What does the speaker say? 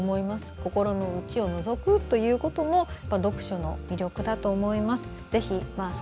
心の内をのぞくということも読書の魅力だと思います。